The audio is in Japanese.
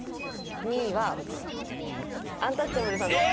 ２位はアンタッチャブルさんです。